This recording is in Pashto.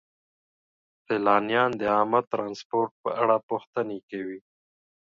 سیلانیان د عامه ترانسپورت په اړه پوښتنې کوي.